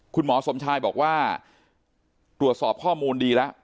คุณหมอสมชายบอกว่าตรวจสอบข้อมูลดีแล้ว